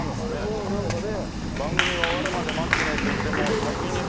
うんなんかね。